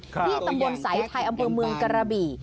ที่ตำบลสายไทยอำเภอเมืองกระบี่